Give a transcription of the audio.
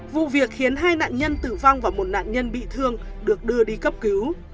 vụ việc khiến hai nạn nhân tử vong và một nạn nhân bị thương được đưa đi cấp cứu